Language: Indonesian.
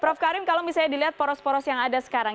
prof karim kalau misalnya dilihat poros poros yang ada sekarang